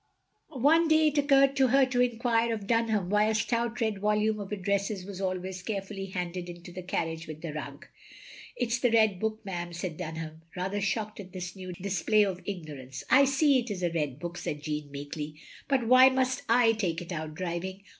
One day it occurred to her to enquire of Dunham why a stout red volume of addresses was always careftilly handed into the carriage with the rug. " It *s the Red book, ma'am, *' said Dunham, rather shocked at this new display of ignorance. " I see it is a red book, " said Jeanne, meekly, " but why must I take it out driving?